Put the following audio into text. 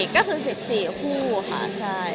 ก็คือ๑๔คู่ค่ะ